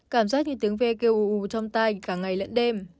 cảm giác như tiếng ve kêu ù ù trong tay cả ngày lẫn đêm